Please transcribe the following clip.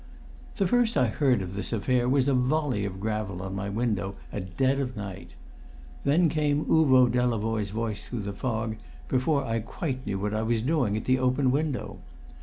The first I heard of this affair was a volley of gravel on my window at dead of night. Then came Uvo Delavoye's voice through the fog before I quite knew what I was doing at the open window.